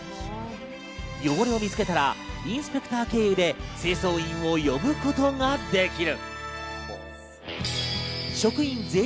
汚れを見つけたらインスペクター経由で清掃員を呼ぶことができる。